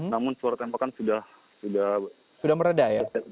namun suara tembakan sudah sudah sudah meredah ya